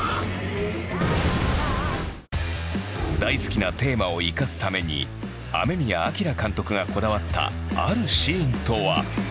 大好きなテーマを生かすために雨宮哲監督がこだわったあるシーンとは。